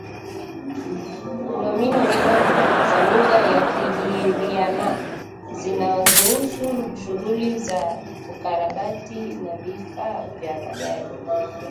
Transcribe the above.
Nomino-mkopo za lugha ya Kigiryama zinazohusu shughuli za ukarabati na vifaa vya magari